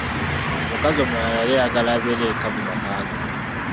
Omukazi omulala yali ayagala abeere yekka mu maka ge!